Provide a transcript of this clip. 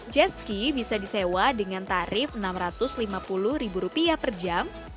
jessi bisa disewa dengan tarif rp enam ratus lima puluh per jam